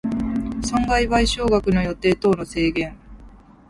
損害賠償額の予定等の制限